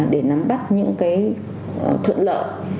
để nắm bắt những thuận lợi